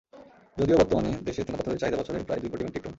যদিও বর্তমানে দেশে চুনাপাথরের চাহিদা বছরে প্রায় দুই কোটি মেট্রিক টন।